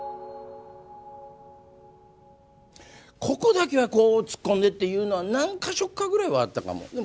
ここだけはこうツッコんでっていうのは何か所かぐらいはあったかも。